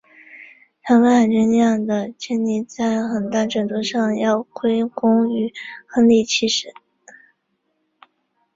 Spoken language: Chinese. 常备海军力量的建立在很大程度上要归功于亨利七世。